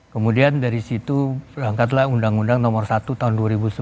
kemudian dari situ berangkatlah undang undang nomor satu tahun dua ribu sebelas